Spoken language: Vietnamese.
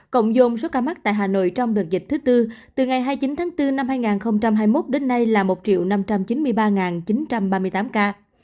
cộng dông số ca mắc tại hà nội trong đợt dịch thứ tư từ ngày hai mươi chín tháng bốn năm hai nghìn hai mươi một đến nay là một năm trăm chín mươi ba chín trăm ba mươi tám ca